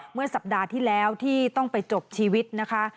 เมื่อสัปดาห์ที่แล้วที่ต้องไปจบชีวิตนะคะ